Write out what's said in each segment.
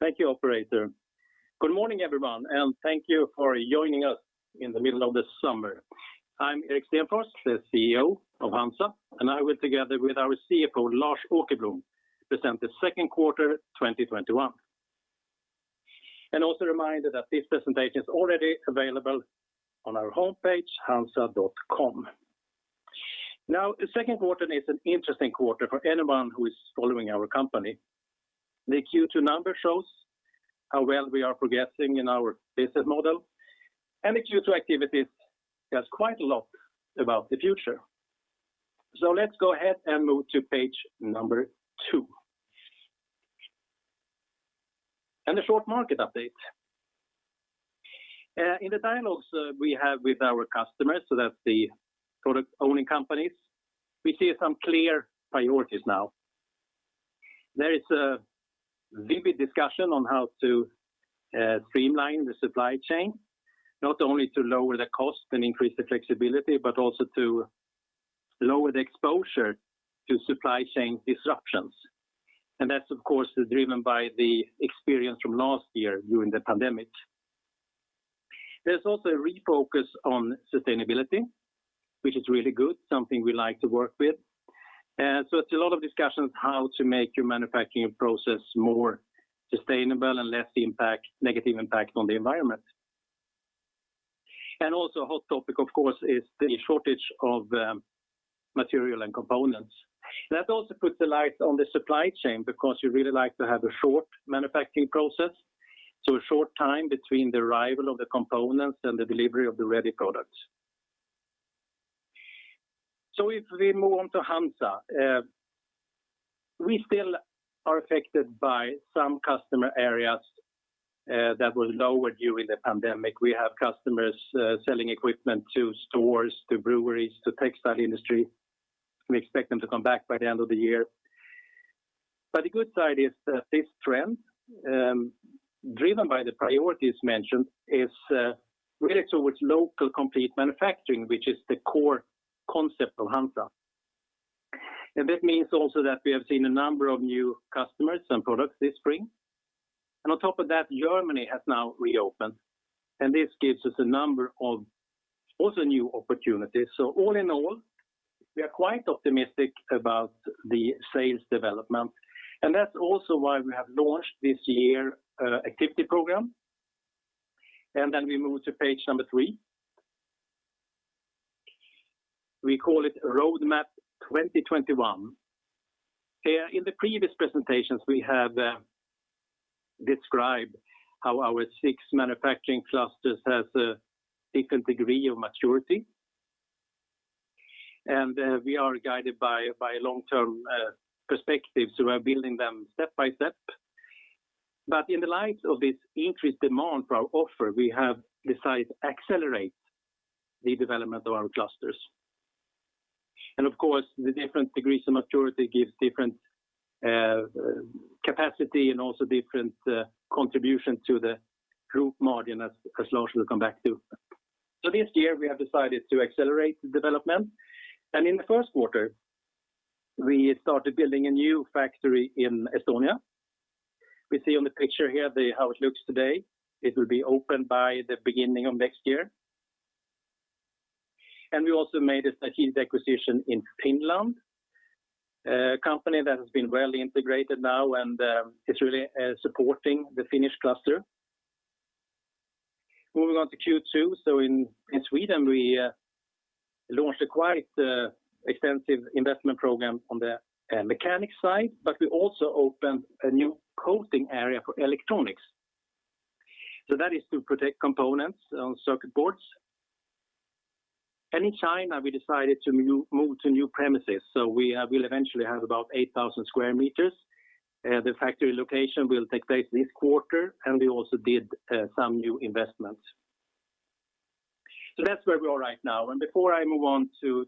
Thank you operator. Good morning, everyone. Thank you for joining us in the middle of the summer. I'm Erik Stenfors, the Chief Executive Officer of HANZA. I will together with our Chief Financial Officer, Lars Åkerblom, present the second quarter 2021. Also reminder that this presentation is already available on our homepage, hanza.com. Now, the second quarter is an interesting quarter for anyone who is following our company. The Q2 numbers shows how well we are progressing in our business model. The Q2 activities tells quite a lot about the future. Let's go ahead and move to page number two. A short market update. In the dialogues we have with our customers, so that's the product-owning companies, we see some clear priorities now. There is a vivid discussion on how to streamline the supply chain, not only to lower the cost and increase the flexibility, but also to lower the exposure to supply chain disruptions. That's of course, driven by the experience from last year during the pandemic. There's also a refocus on sustainability, which is really good, something we like to work with. It's a lot of discussions how to make your manufacturing process more sustainable and less negative impact on the environment. Also a hot topic, of course, is the shortage of material and components. That also puts the light on the supply chain because you really like to have a short manufacturing process, so a short time between the arrival of the components and the delivery of the ready products. If we move on to HANZA, we still are affected by some customer areas that was low during the pandemic. We have customers selling equipment to stores, to breweries, to textile industry. We expect them to come back by the end of the year. The good side is that this trend, driven by the priorities mentioned, is related towards local complete manufacturing, which is the core concept of HANZA. That means also that we have seen a number of new customers and products this spring. On top of that, Germany has now reopened, and this gives us a number of also new opportunities. All in all, we are quite optimistic about the sales development, and that's also why we have launched this year, activity program. We move to page three. We call it Roadmap 2021. In the previous presentations, we have described how our six manufacturing clusters has a different degree of maturity. We are guided by long-term perspectives, so we're building them step by step. In the light of this increased demand for our offer, we have decided to accelerate the development of our clusters. Of course, the different degrees of maturity gives different capacity and also different contribution to the group margin as Lars will come back to. This year, we have decided to accelerate the development. In the first quarter, we started building a new factory in Estonia. We see on the picture here how it looks today. It will be open by the beginning of next year. We also made a strategic acquisition in Finland, a company that has been well integrated now and is really supporting the Finnish cluster. Moving on to Q2, in Sweden, we launched a quite extensive investment program on the mechanic side, but we also opened a new coating area for electronics. That is to protect components on circuit boards. In China, we decided to move to new premises, so we will eventually have about 8,000 m². The factory location will take place this quarter, and we also did some new investments. That's where we are right now. Before I move on to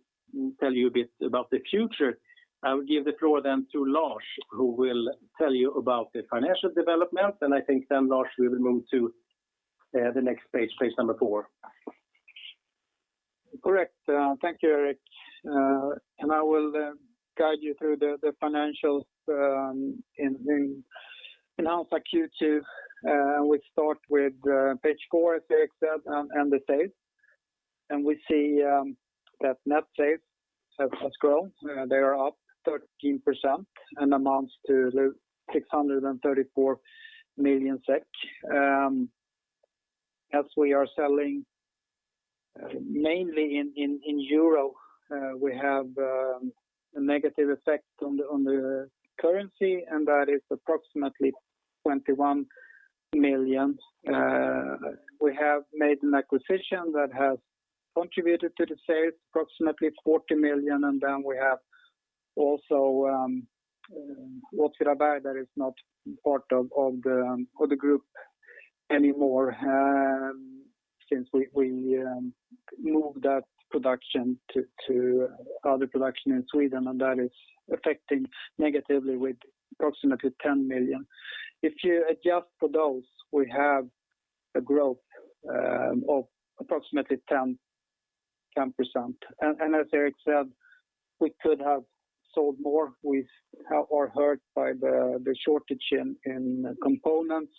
tell you a bit about the future, I will give the floor then to Lars, who will tell you about the financial development. I think then Lars, we will move to the next page number four. Correct. Thank you, Erik. I will guide you through the financials in HANZA Q2. We start with page four, as Erik said, and the sales. We see that net sales have grown, they are up 13% and amounts to 634 million SEK. As we are selling mainly in euro, we have a negative effect on the currency, and that is approximately 21 million. We have made an acquisition that has contributed to the sales, approximately 40 million, and then we have also Leden that is not part of the group anymore, since we moved that production to other production in Sweden, and that is affecting negatively with approximately 10 million. If you adjust for those, we have a growth of approximately 10%. As Erik said, we could have sold more. We are hurt by the shortage in components,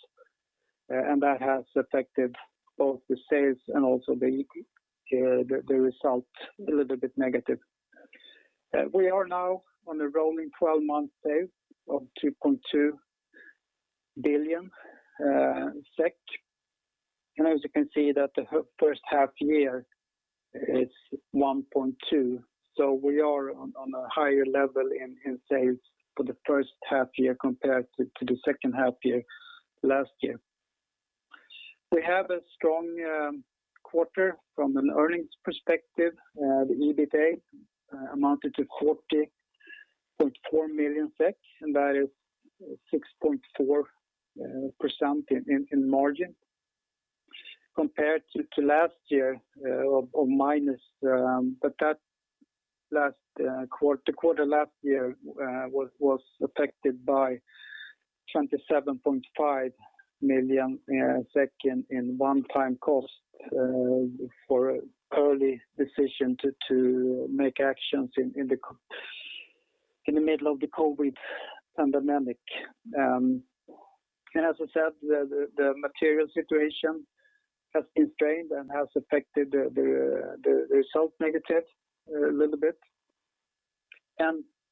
and that has affected both the sales and also the result a little bit negative. We are now on a rolling 12-month sales of SEK 2.2 billion. As you can see that the first half year is 1.2 billion. We are on a higher level in sales for the first half year compared to the second half year last year. We have a strong quarter from an earnings perspective. The EBITDA amounted to 40.4 million, and that is 6.4% in margin compared to last year of minus, but the quarter last year was affected by 27.5 million in one-time cost for early decision to make actions in the middle of the COVID pandemic. As I said, the material situation has been strained and has affected the result negative a little bit.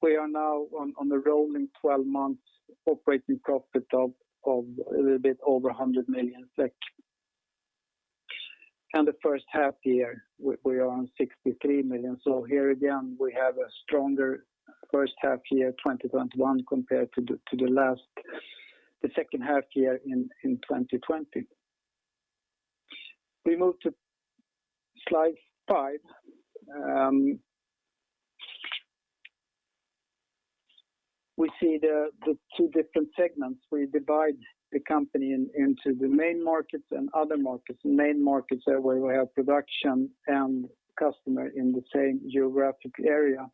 We are now on a rolling 12 months operating profit of a little bit over 100 million SEK. In the first half year, we are on 63 million. Here again, we have a stronger first half year 2021 compared to the second half year in 2020. We move to slide five. We see the two different segments, we divide the company into the main markets and other markets. The main markets are where we have production and customer in the same geographic area.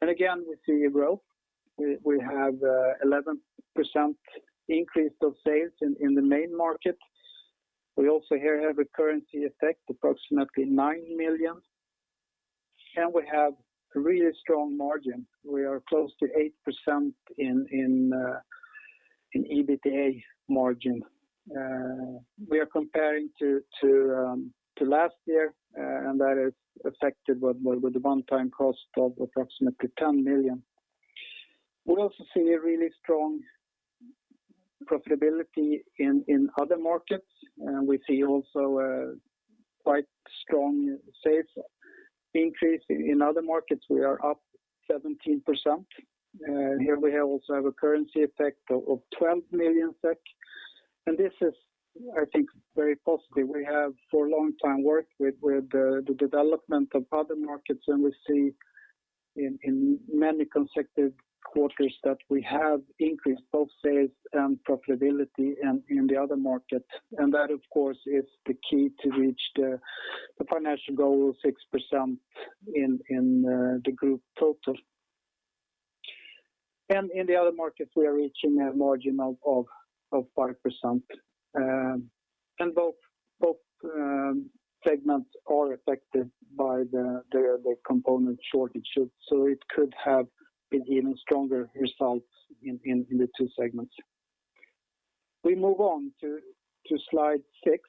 Again, we see a growth. We have 11% increase of sales in the Main market. We also here have a currency effect, approximately 9 million. We have a really strong margin. We are close to 8% in EBITDA margin. We are comparing to last year, and that is affected with a one-time cost of approximately 10 million. We also see a really strong profitability in Other markets, and we see also a quite strong sales increase in Other markets. We are up 17%, and here we also have a currency effect of 12 million SEK. This is, I think, very positive. We have for a long time worked with the development of Other markets, and we see in many consecutive quarters that we have increased both sales and profitability in the Other markets. That, of course, is the key to reach the financial goal of 6% in the group total. In the Other markets, we are reaching a margin of 5%. Both segments are affected by the component shortages. It could have been even stronger results in the two segments. We move on to slide six,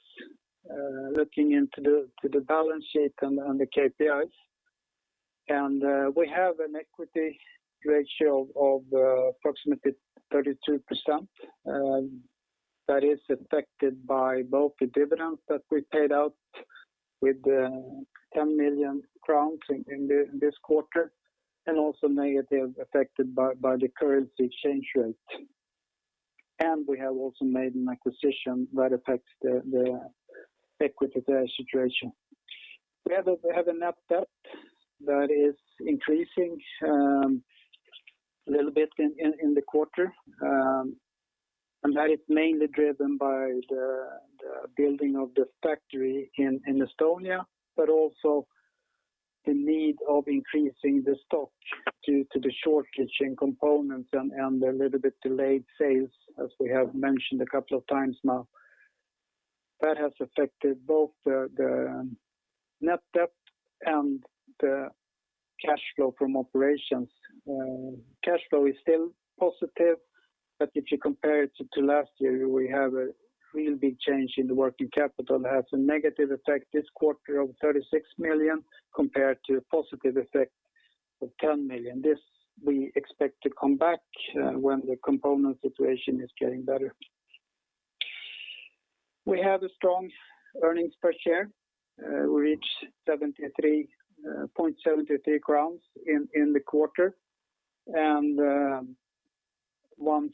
looking into the balance sheet and the KPIs. We have an equity ratio of approximately 32%. That is affected by both the dividends that we paid out with 10 million crowns in this quarter, and also negatively affected by the currency exchange rate. We have also made an acquisition that affects the equity situation. We have a net debt that is increasing a little bit in the quarter, and that is mainly driven by the building of this factory in Estonia, but also the need of increasing the stock due to the shortage in components and the little bit delayed sales, as we have mentioned a couple of times now. That has affected both the net debt and the cash flow from operations. Cash flow is still positive, but if you compare it to last year, we have a real big change in the working capital that has a negative effect this quarter of 36 million compared to a positive effect of 10 million. This we expect to come back when the component situation is getting better. We have a strong earnings per share. We reached 73.73 crowns in the quarter, 1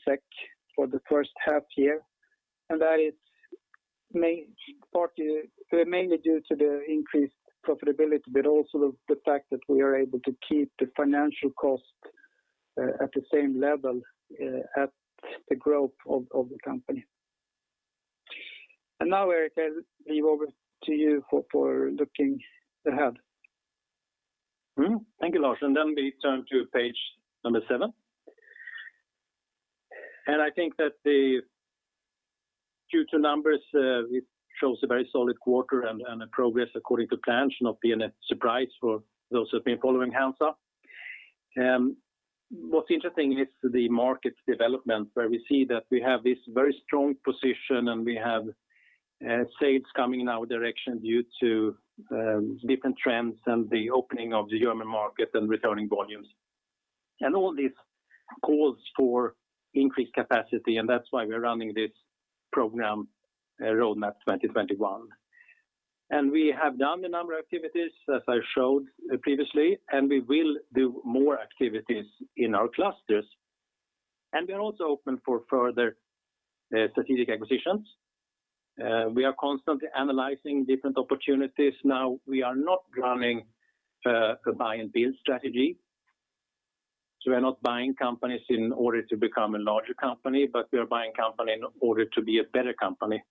SEK for the first half year. That is mainly due to the increased profitability, but also the fact that we are able to keep the financial cost at the same level at the growth of the company. Erik, I will leave over to you for looking ahead. Thank you, Lars. Then we turn to page number seven. I think that due to numbers, it shows a very solid quarter and a progress according to plan. Should not be any surprise for those who have been following HANZA. What's interesting is the market development, where we see that we have this very strong position and we have sales coming in our direction due to different trends and the opening of the German market and returning volumes. All this calls for increased capacity, and that's why we're running this program, Roadmap 2021. We have done a number of activities, as I showed previously, and we will do more activities in our clusters. We are also open for further strategic acquisitions. We are constantly analyzing different opportunities. Now, we are not running a buy and build strategy. We're not buying companies in order to become a larger company, but we are buying company in order to be a better company.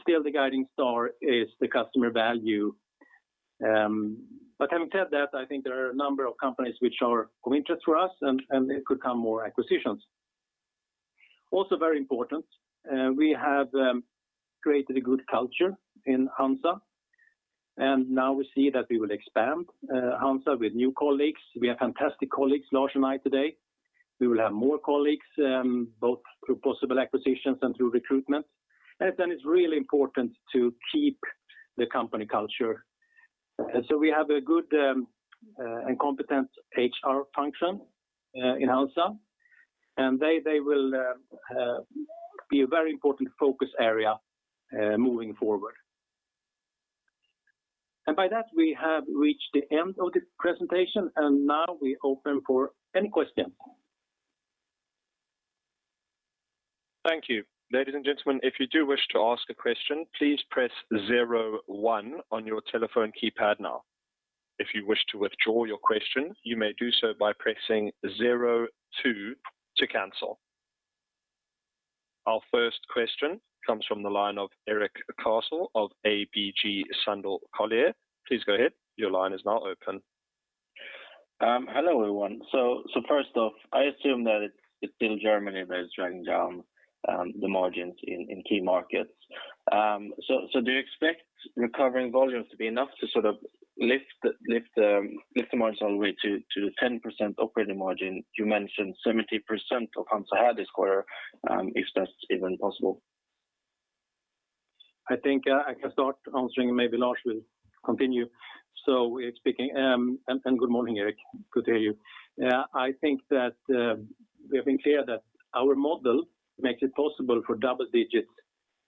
Still the guiding star is the customer value. Having said that, I think there are a number of companies which are of interest for us and there could come more acquisitions. Also very important, we have created a good culture in HANZA, and now we see that we will expand HANZA with new colleagues. We have fantastic colleagues, Lars and I today. We will have more colleagues, both through possible acquisitions and through recruitment. It's really important to keep the company culture. We have a good and competent HR function in HANZA, and they will be a very important focus area moving forward. By that, we have reached the end of the presentation and now we open for any questions. Thank you. Ladies and gentlemen, if you do wish to ask a question, please press zero one on your telephone keypad now. If you wish to withdraw your question, you may do so by pressing zero two to cancel. Our first question comes from the line of Erik Cassel of ABG Sundal Collier. Please go ahead. Your line is now open. Hello, everyone. First off, I assume that it's still Germany that is dragging down the margins in key markets. Do you expect recovering volumes to be enough to sort of lift the margin all the way to 10% operating margin? You mentioned 70% of HANZA had this quarter, if that's even possible. I think I can start answering and maybe Lars will continue. Good morning, Erik. Good to hear you. I think that we have been clear that our model makes it possible for double digits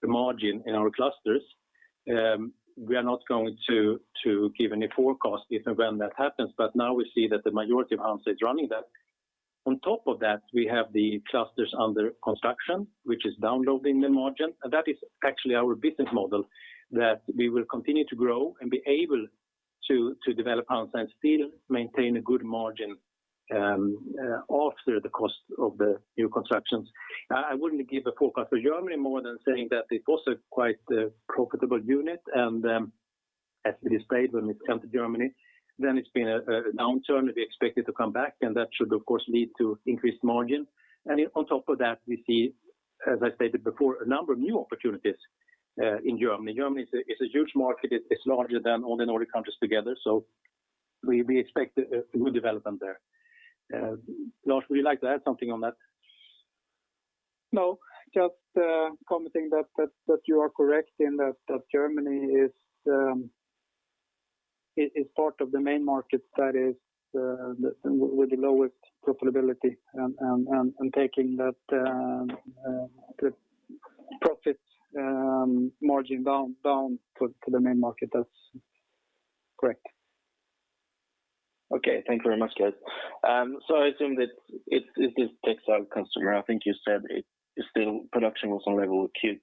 margin in our clusters. We are not going to give any forecast if and when that happens. Now we see that the majority of HANZA is running that. On top of that, we have the clusters under construction, which is downloading the margin. That is actually our business model, that we will continue to grow and be able to develop HANZA and still maintain a good margin after the cost of the new constructions. I wouldn't give a forecast for Germany more than saying that it was a quite profitable unit, and as it is stated, when it comes to Germany, then it's been a downturn. We expect it to come back and that should of course lead to increased margin. On top of that, we see, as I stated before, a number of new opportunities in Germany. Germany is a huge market. It's larger than all the Nordic countries together. We expect a good development there. Lars, would you like to add something on that? Just commenting that you are correct in that Germany is part of the Main markets that is with the lowest profitability and taking the profit margin down to the Main markets. That's correct. Okay. Thank you very much, guys. I assume that it is textile customer. I think you said it's still production was on level Q2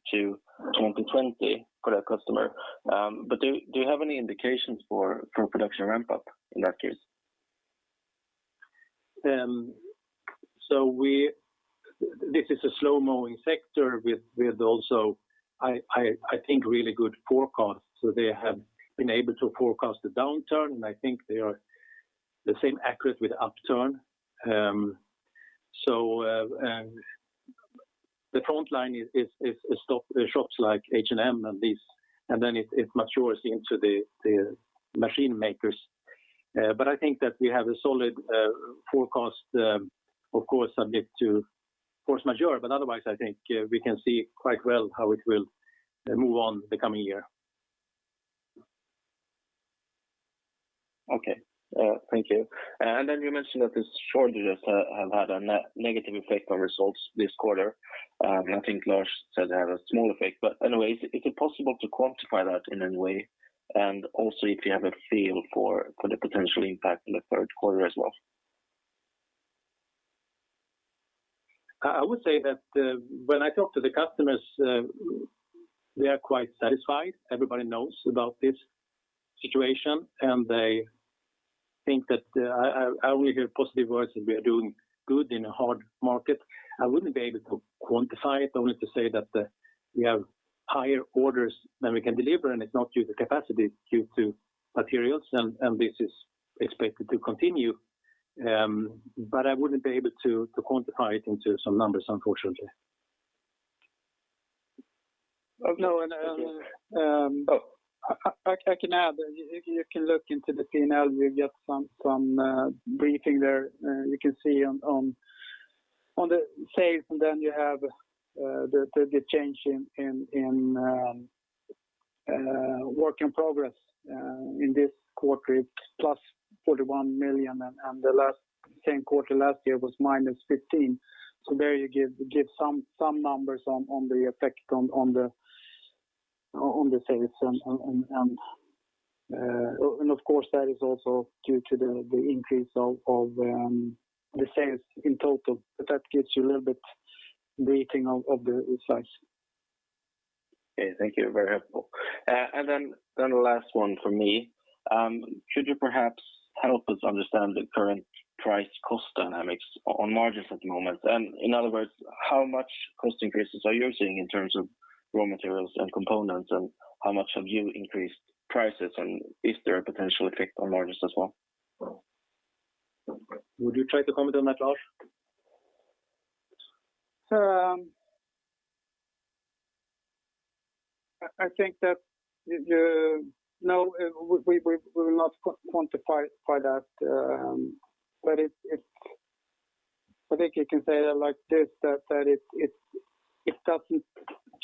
2020 for that customer. Do you have any indications for production ramp-up in that case? This is a slow-moving sector with also, I think really good forecast. They have been able to forecast the downturn, and I think they are the same accurate with upturn. The frontline is shops like H&M and these, and then it matures into the machine makers. I think that we have a solid forecast, of course subject to force majeure, but otherwise, I think we can see quite well how it will move on the coming year. Okay. Thank you. You mentioned that the shortages have had a negative effect on results this quarter. I think Lars said they had a small effect, but anyway, is it possible to quantify that in any way? If you have a feel for the potential impact in the third quarter as well? I would say that when I talk to the customers, they are quite satisfied. Everybody knows about this situation. I only hear positive words that we are doing good in a hard market. I wouldn't be able to quantify it. Only to say that we have higher orders than we can deliver, and it's not due to capacity, it's due to materials, and this is expected to continue. I wouldn't be able to quantify it into some numbers, unfortunately. No. I can add, you can look into the P&L. We've got some briefing there. You can see on the sales, and then you have the change in work in progress in this quarter, it's plus 41 million, and the last same quarter last year was minus 15 million. There you give some numbers on the effect on the sales and, of course, that is also due to the increase of the sales in total. That gives you a little bit briefing of the insights. Okay. Thank you. Very helpful. The last one from me. Should you perhaps help us understand the current price cost dynamics on margins at the moment? In other words, how much cost increases are you seeing in terms of raw materials and components, and how much have you increased prices, and is there a potential effect on margins as well? Would you try to comment on that, Lars? I think that, no, we will not quantify that. I think you can say that like this, that it doesn't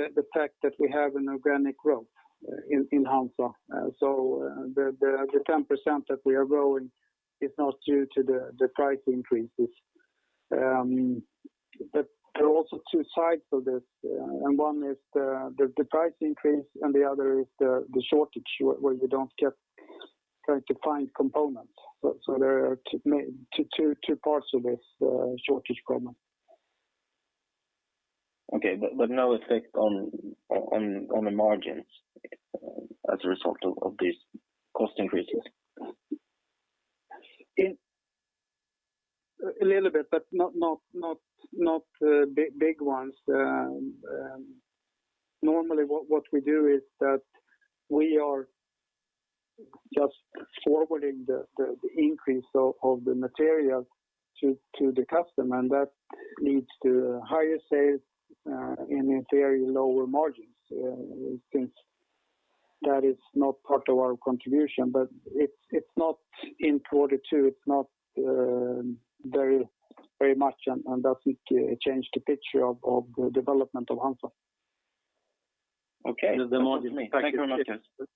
change the fact that we have an organic growth in HANZA. The 10% that we are growing is not due to the price increases. There are also two sides of this, and one is the price increase, and the other is the shortage where you don't get trying to find components. There are two parts of this shortage problem. Okay. No effect on the margins as a result of these cost increases? A little bit, but not big ones. Normally, what we do is that we are just forwarding the increase of the material to the customer, and that leads to higher sales and in theory, lower margins, since that is not part of our contribution. It's not in 2022, it's not very much and doesn't change the picture of the development of HANZA. Okay. That's all from me. Thank you very much. Thank you.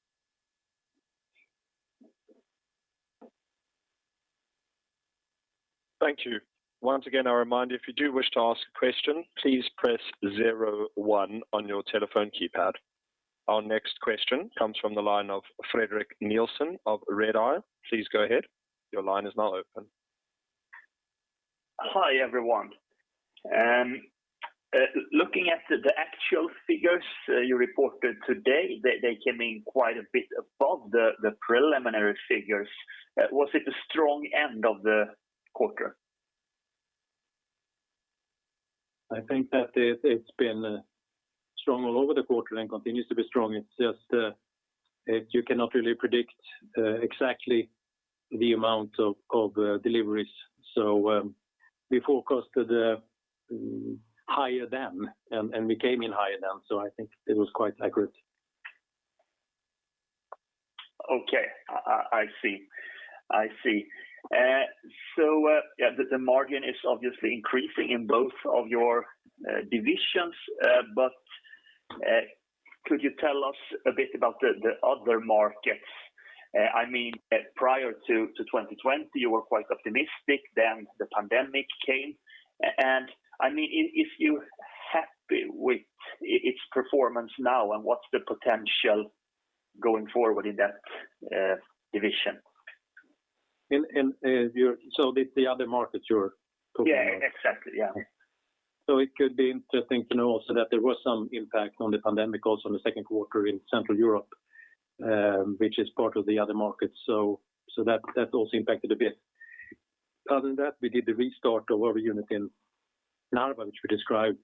Thank you. Once again, our reminder, if you do wish to ask a question, please press zero one on your telephone keypad. Our next question comes from the line of Fredrik Nilsson of Redeye. Please go ahead. Your line is now open. Hi, everyone. Looking at the actual figures you reported today, they came in quite a bit above the preliminary figures. Was it a strong end of the quarter? I think that it's been strong all over the quarter and continues to be strong. It's just you cannot really predict exactly the amount of deliveries. We forecasted higher then, and we came in higher then, so I think it was quite accurate. Okay. I see. The margin is obviously increasing in both of your divisions, but could you tell us a bit about the Other markets? I mean, prior to 2020, you were quite optimistic, then the pandemic came, and I mean, if you're happy with its performance now and what's the potential going forward in that division? The other markets you're talking about? Yeah, exactly. It could be interesting to know also that there was some impact on the pandemic also in the second quarter in Central Europe, which is part of the Other markets. That also impacted a bit. Other than that, we did the restart of our unit in Narva, which we described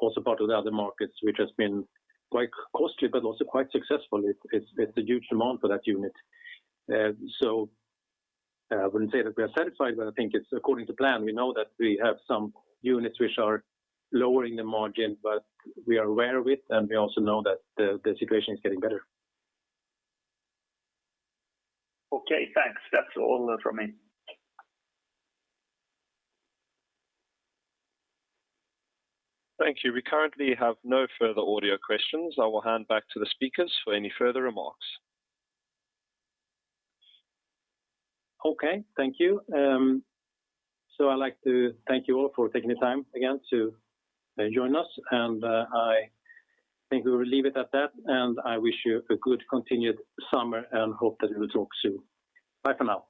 also part of the Other markets, which has been quite costly, but also quite successful. It's a huge amount for that unit. I wouldn't say that we are satisfied, but I think it's according to plan. We know that we have some units which are lowering the margin, but we are aware of it, and we also know that the situation is getting better. Okay, thanks. That's all from me. Thank you. We currently have no further audio questions. I will hand back to the speakers for any further remarks. Okay, thank you. I'd like to thank you all for taking the time again to join us, and I think we will leave it at that, and I wish you a good continued summer and hope that we will talk soon. Bye for now.